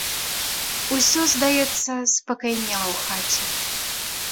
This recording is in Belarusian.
Усё, здаецца, спакайнела ў хаце.